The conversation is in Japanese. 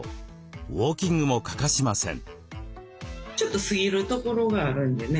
ウオーキングも欠かしません。